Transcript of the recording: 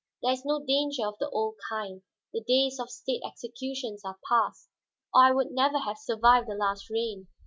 There is no danger of the old kind; the days of state executions are past, or I would never have survived the last reign.